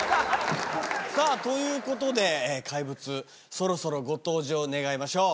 さぁということで怪物そろそろご登場願いましょう。